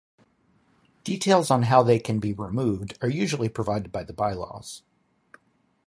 Details on how they can be removed are usually provided in the bylaws.